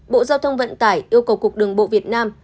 bộ giao thông vận tải yêu cầu cục đường bộ việt nam